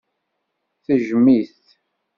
Tejjem-it.